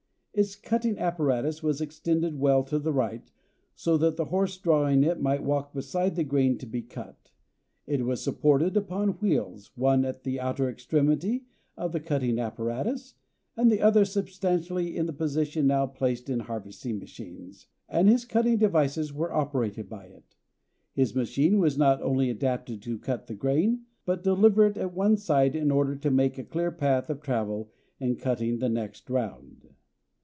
Its cutting apparatus was extended well to the right, so that the horse drawing it might walk beside the grain to be cut. It was supported upon wheels, one at the outer extremity of the cutting apparatus, and the other substantially in the position now placed in harvesting machines, and his cutting devices were operated by it. His machine was not only adapted to cut the grain, but deliver it at one side in order to make a clear path of travel in cutting the next round.